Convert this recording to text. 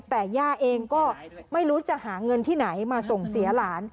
แต่ย่าเองก็ไม่รู้จะหาเงินที่ไหนมาส่งเสียหลาน